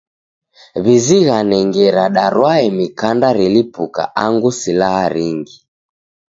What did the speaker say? W'izighane ngera darwae mikanda relipuka angu silaha ringi.